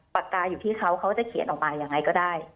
ปากกาอยู่ที่เขาเขาจะเขียนออกมายังไงก็ได้